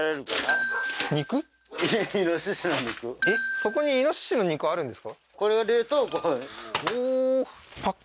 えっそこに猪の肉あるんですか？